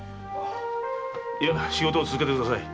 いや仕事を続けてください。